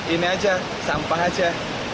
ini aja sampah aja